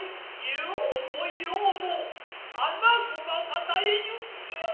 ようもようも花子が方へ行きおったな。